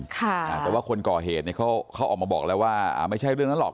แต่ว่าคนก่อเหตุเขาออกมาบอกแล้วว่าไม่ใช่เรื่องนั้นหรอก